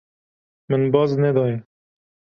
Min baz nedaye.